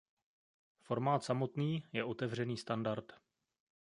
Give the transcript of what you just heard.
Formát samotný je otevřený standard.